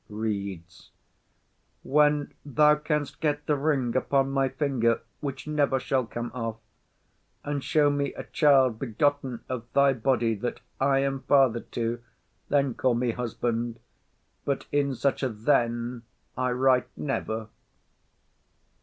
[Reads.] _When thou canst get the ring upon my finger, which never shall come off, and show me a child begotten of thy body that I am father to, then call me husband; but in such a "then" I write a "never".